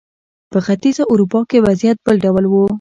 په ختیځه اروپا کې وضعیت بل ډول و.